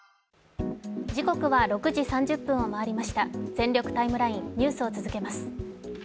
「全力タイムライン」ニュースを続けます。